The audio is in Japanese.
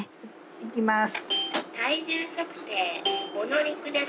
いきまーす。